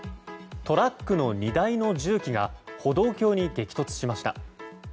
トラックの荷台の重機が歩道橋に激突しました。